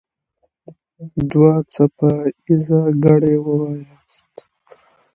دوه څپه ايزه ګړې وواياست.